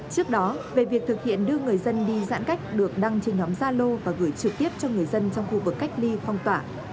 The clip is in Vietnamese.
trước đó về việc thực hiện đưa người dân đi giãn cách được đăng trên nhóm gia lô và gửi trực tiếp cho người dân trong khu vực cách ly phong tỏa